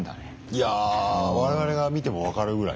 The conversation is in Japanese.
いや我々が見ても分かるぐらいね。